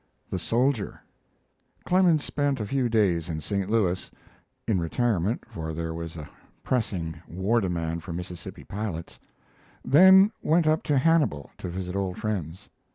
XXX. THE SOLDIER Clemens spent a few days in St. Louis (in retirement, for there was a pressing war demand for Mississippi pilots), then went up to Hannibal to visit old friends.